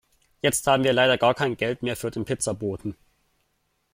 Jetzt haben wir leider gar kein Geld mehr für den Pizzaboten.